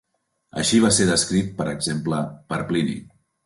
Així va ser descrit, per exemple, per Plini.